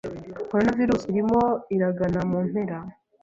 Corona virus irimo iragana mumpera